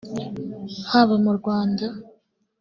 haba mu Rwanda